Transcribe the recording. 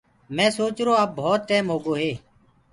مي سوچرو اب ڀوت ٽيم هوگو هي۔